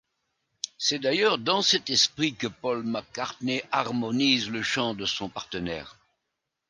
C'est d'ailleurs dans cet esprit que Paul McCartney harmonise le chant de son partenaire.